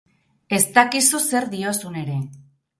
Ez dakizu zer diozun ere.